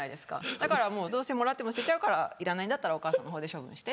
だからどうせもらっても捨てちゃうからいらないんだったらお義母さんのほうで処分して。